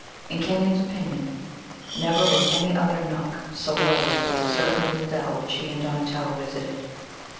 In Kenyon's opinion, never was any other nook so lovely as a certain little dell which he and Donatello visited.